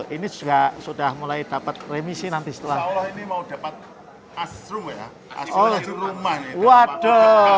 ini juga sudah mulai dapat remisi nanti setelah ini mau dapat asru ya di rumah waduh